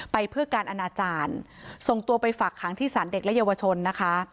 ไปเพื่อการอนาจารย์ส่งตัวไปฝากขังที่สารเด็กและเยาวชนนะคะ